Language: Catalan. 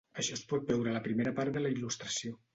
Això es pot veure a la primera part de la il·lustració.